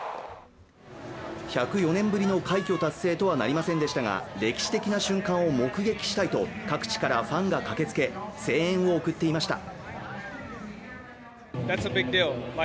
１０４年ぶりの快挙達成とはなりませんでしたが、歴史的瞬間を目撃したいと各地からファンが駆けつけ声援を送っていました。